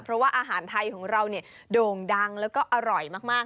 เพราะว่าอาหารไทยของเราเนี่ยโด่งดังแล้วก็อร่อยมาก